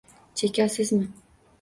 Chekasizmi?